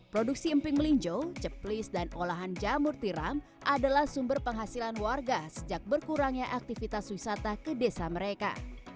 produksi emping melinjo ceplis dan olahan jamur tiram adalah sumber penghasilan warga sejak berkurangnya aktivitas wisata ke desa mereka